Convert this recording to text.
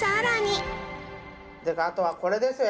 あとはこれですよ